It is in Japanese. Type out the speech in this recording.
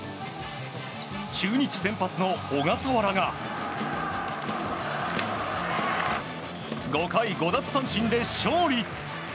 中日先発の小笠原が５回５奪三振で勝利。